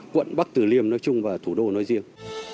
quận bắc tử liêm nói chung và thủ đô nói riêng